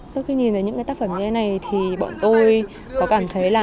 tôi khi nhìn thấy những cái tác phẩm như thế này thì bọn tôi có cảm thấy là